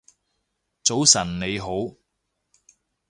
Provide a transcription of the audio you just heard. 早晨你好